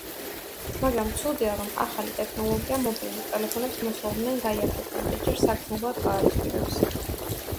მაგრამ, ცუდია, რომ ახალი ტექნოლოგია მობილურ ტელეფონებს მოსალოდნელ გაიაფებამდე, ჯერ საგრძნობლად გააძვირებს.